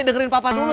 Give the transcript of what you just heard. dengerin papa dulu